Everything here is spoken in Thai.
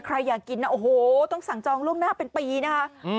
ใครอยากกินนะโอ้โหต้องสั่งจองล่วงหน้าเป็นปีนะคะ